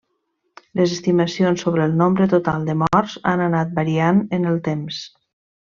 Les estimacions sobre el nombre total de morts han anat variant en el temps.